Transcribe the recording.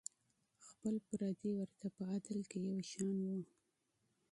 خپل پردي ورته په عدل کې یو شان وو.